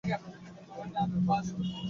তিন্নি অতি দ্রুত ব্রাশ চালাচ্ছে।